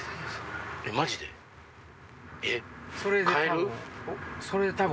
マジで？